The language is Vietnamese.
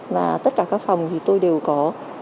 và tất cả các phòng thì tôi đều có